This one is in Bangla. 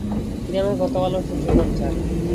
তিনি আমাকে কত ভালোবাসেন সে তো আমি জানি।